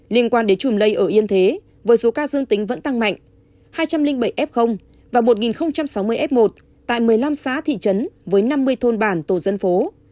liên quan đến chùm lây ở yên thế với số ca dương tính vẫn tăng mạnh hai trăm linh bảy f và một sáu mươi f một tại một mươi năm xã thị trấn với năm mươi thôn bản tổ dân phố